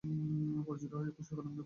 পরিচিত হয়ে খুশি হলাম, ক্যাপ্টেন।